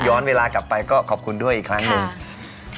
เวลากลับไปก็ขอบคุณด้วยอีกครั้งหนึ่ง